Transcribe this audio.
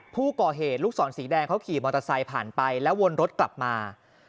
ผู้ก่อเหตุลูกศรสีแดงเขาขี่มอเตอร์ไซค์ผ่านไปแล้ววนรถกลับมา